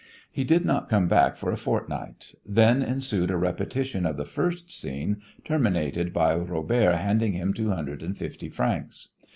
He did not come back for a fortnight. Then ensued a repetition of the first scene, terminated by Robert handing him two hundred and fifty francs.